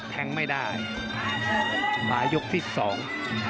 แทงไม่ได้มายกที่สอง